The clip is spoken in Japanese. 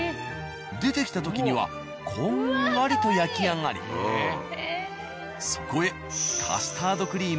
出てきた時にはこんがりと焼き上がりそこへ